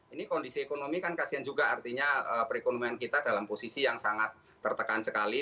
ini kondisi ekonomi kan kasian juga artinya perekonomian kita dalam posisi yang sangat tertekan sekali